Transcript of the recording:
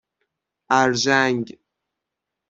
ارژنگ